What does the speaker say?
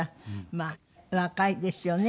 まあ若いですよね。